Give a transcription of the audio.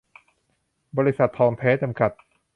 บริษัท ทองแท้ จำกัด